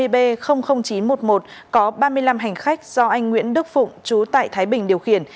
b chín trăm một mươi một có ba mươi năm hành khách do anh nguyễn đức phụng chú tại thái bình điều khiển